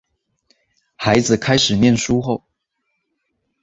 孩子开始念书后